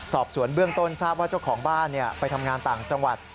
สอบสวนเบื้องต้นทราบว่าเจ้าของบ้านไปทำงานต่างจังหวัด